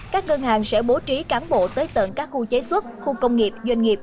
các ngân hàng sẽ bố trí cán bộ tới tận các khu chế xuất khu công nghiệp doanh nghiệp